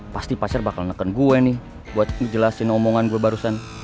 pasti pasar bakal neken gue nih buat ngejelasin omongan gue barusan